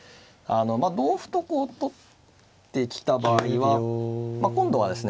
同歩とこう取ってきた場合は今度はですね